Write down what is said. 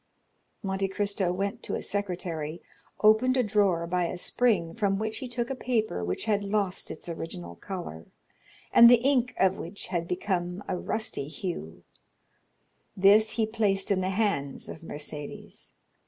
Monte Cristo went to a secretaire, opened a drawer by a spring, from which he took a paper which had lost its original color, and the ink of which had become of a rusty hue—this he placed in the hands of Mercédès.